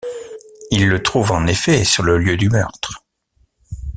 Il le trouve en effet sur le lieu du meurtre.